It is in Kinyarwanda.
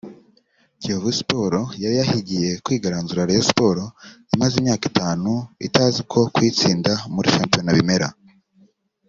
Kiyovu Sports yari yahigiye kwigaranzura Rayon Sports imaze imyaka itanu itazi uko kuyitsinda muri shampiyona bimera